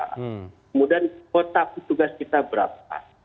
kemudian kuota petugas kita berapa